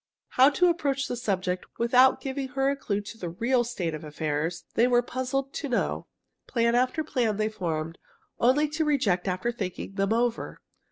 How to approach the subject without giving her a clue to the real state of affairs, they were puzzled to know. Plan after plan they formed, only to reject after thinking them over.